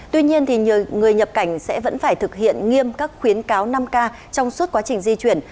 tuy nhiên nhiều người nhập cảnh sẽ vẫn phải thực hiện nghiêm các khuyến cáo năm k trong suốt quá trình di chuyển